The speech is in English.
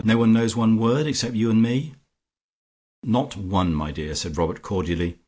No one knows one word except you and me?" "Not one, my dear," said Robert cordially.